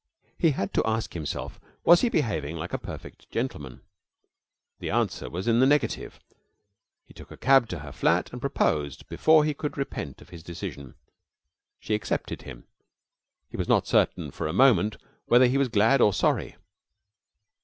He had to ask himself: was he behaving like a perfect gentleman? The answer was in the negative. He took a cab to her flat and proposed before he could repent of his decision. She accepted him. He was not certain for a moment whether he was glad or sorry.